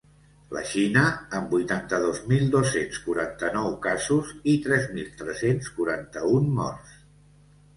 La Xina, amb vuitanta-dos mil dos-cents quaranta-nou casos i tres mil tres-cents quaranta-un morts.